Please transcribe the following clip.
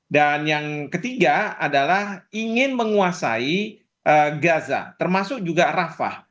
dan yang ketiga adalah ingin menguasai gaza termasuk juga rafah